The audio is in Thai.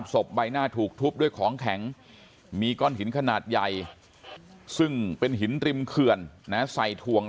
ศพผู้หญิงอย่างที่บอกนะฮะ